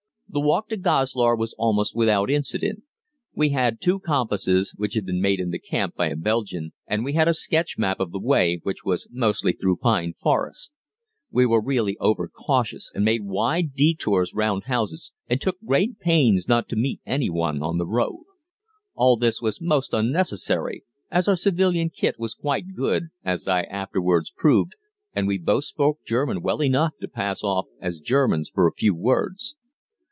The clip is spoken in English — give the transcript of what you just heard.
The walk to Goslar was almost without incident. We had two compasses, which had been made in the camp by a Belgian, and we had a sketch map of the way, which was mostly through pine forests. We were really overcautious and made wide detours round houses and took great pains not to meet any one on the road. All this was most unnecessary, as our civilian kit was quite good as I afterwards proved, and we both spoke German well enough to pass off as Germans for a few words.